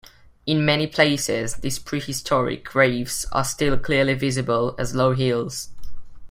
In many places, these prehistoric graves are still clearly visible as low hills.